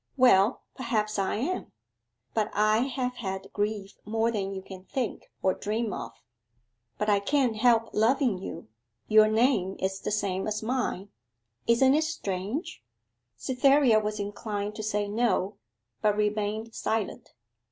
Well, perhaps I am; but I have had grief more than you can think or dream of. But I can't help loving you your name is the same as mine isn't it strange?' Cytherea was inclined to say no, but remained silent.